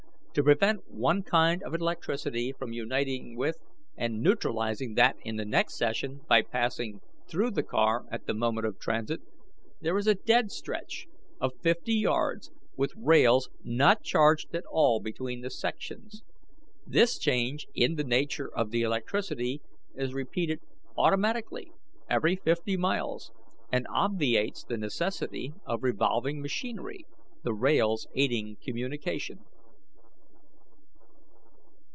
To prevent one kind of electricity from uniting with and neutralizing that in the next section by passing through the car at the moment of transit, there is a "dead stretch" of fifty yards with rails not charged at all between the sections. This change in the nature of the electricity is repeated automatically every fifty miles, and obviates the necessity of revolving machinery, the rails aiding communication.